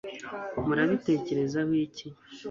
murabitekerezaho iki